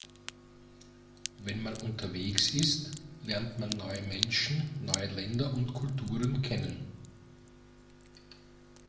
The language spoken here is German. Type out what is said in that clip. Wenn man unterwegs ist, lernt man neue Menschen, neue Länder und Kulturen kennen.